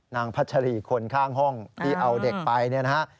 พัชรีคนข้างห้องที่เอาเด็กไปเนี่ยนะฮะ